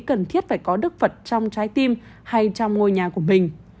cần thiết phải có đức phật trong trái tim hay trong ngôi nhà của mình